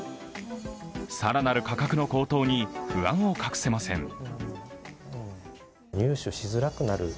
更なる価格の高騰に不安を隠せません。